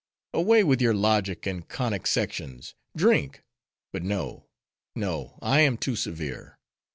"Away with your logic and conic sections! Drink!—But no, no: I am too severe.